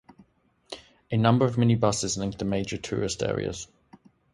A number of minibuses link the major tourist areas.